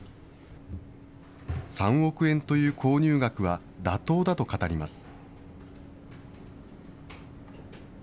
３億円という購入額は妥当だと語ります。